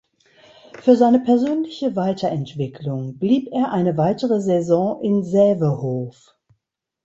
Für seine persönliche Weiterentwicklung blieb er eine weitere Saison in Sävehof.